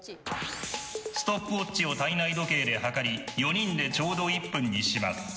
ストップウォッチを体内時計で計り４人でちょうど１分にします。